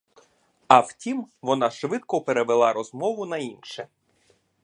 А втім, вона швидко перевела розмову на інше.